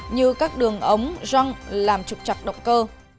như các đường ống rong làm trục chặt động cơ